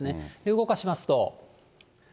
動かしますと。